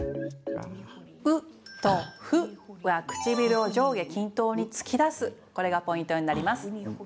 「う」と「ふ」は唇を上下均等に突き出すこれがポイントになります。